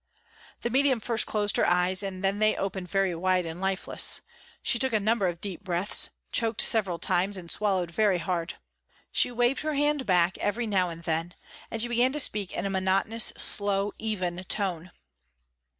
The medium first closed her eyes and then they opened very wide and lifeless. She took a number of deep breaths, choked several times and swallowed very hard. She waved her hand back every now and then, and she began to speak in a monotonous slow, even tone.